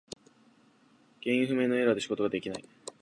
原因不明のエラーで仕事ができない。